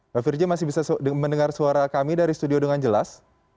pak firji masih bisa mendengar suara kami dari studio dengan jelas